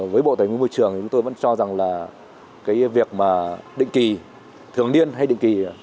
với bộ tài nguyên môi trường thì chúng tôi vẫn cho rằng là cái việc mà định kỳ thường niên hay định kỳ